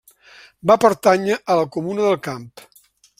Va pertànyer a la Comuna del Camp.